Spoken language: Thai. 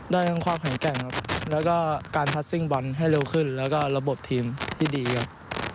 ได้ทั้งความแข็งแกร่งครับแล้วก็การพัสซิ่งบอลให้เร็วขึ้นแล้วก็ระบบทีมที่ดีครับ